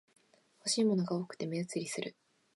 欲しいものが多くて目移りする